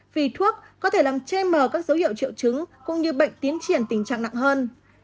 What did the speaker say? vì thuốc có thể làm chê mờ các dấu hiệu triệu chứng cũng như bệnh tiến triển tình trạng nặng hơn